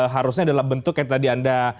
harusnya dalam bentuk yang tadi anda